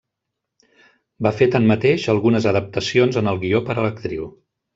Va fer tanmateix algunes adaptacions en el guió per a l'actriu.